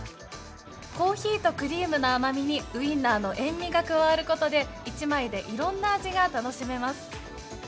コーヒーとクリームの甘みにウインナーの塩味が加わることで、１枚でいろんな味が楽しめます。